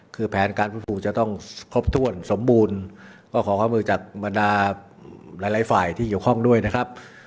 คือแผนการฟื้นฟูจะต้องครบถ้วนสมบูรณ์ก็ขอความมือจากบรรดาหลายหลายฝ่ายที่เกี่ยวข้องด้วยนะครับ